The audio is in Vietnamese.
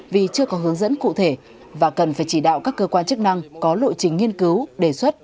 vì chưa có hướng dẫn cụ thể và cần phải chỉ đạo các cơ quan chức năng có lộ trình nghiên cứu đề xuất